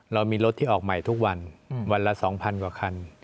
เรามีรถที่ออกใหม่ทุกวันวันละ๒๐๐กว่าคัน